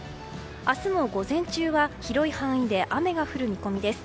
明日も午前中は広い範囲で雨が降る見込みです。